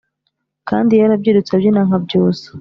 kandi yarabyirutse abyina nka byusa